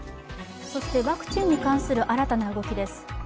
ワクチンに関する新たな動きです。